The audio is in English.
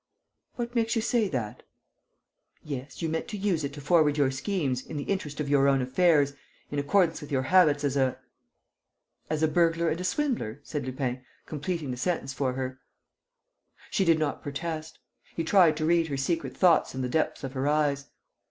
"What makes you say that?" "Yes, you meant to use it to forward your schemes, in the interest of your own affairs, in accordance with your habits as a...." "As a burglar and a swindler," said Lupin, completing the sentence for her. She did not protest. He tried to read her secret thoughts in the depths of her eyes.